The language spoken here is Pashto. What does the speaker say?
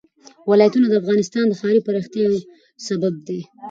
ولایتونه د افغانستان د ښاري پراختیا یو سبب دی.